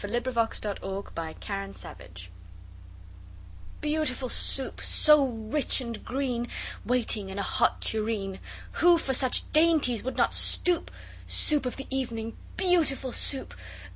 ] Lewis Carroll Beautiful Soup BEAUTIFUL Soup, so rich and green, Waiting in a hot tureen! Who for such dainties would not stoop? Soup of the evening, beautiful Soup!